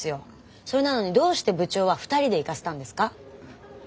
それなのにどうして部長は２人で行かせたんですか？